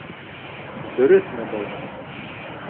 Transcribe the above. Дөрөҫмө был?